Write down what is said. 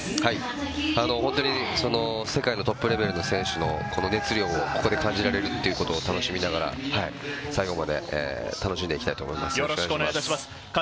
ここから決勝戦、世界最高峰が目の前で本当に世界のトップレベルの選手の熱量をここで感じられるっていうことを楽しみながら最後まで楽しんでいきたいと思います。